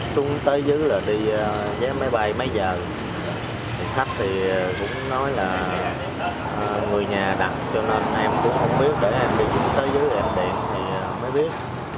trong tâm trạng chưa hết bàng hoàng anh thân cho biết